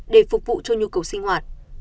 để phục vụ cho nhu cầu sinh hoạt